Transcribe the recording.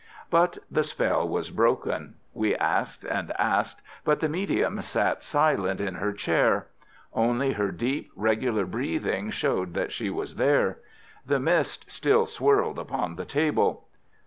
But the spell was broken. We asked and asked, but the medium sat silent in her chair. Only her deep, regular breathing showed that she was there. The mist still swirled upon the table.